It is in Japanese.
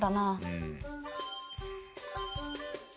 うん。